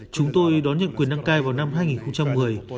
chúng tôi đón nhận quyền đăng cai vào năm hai nghìn một mươi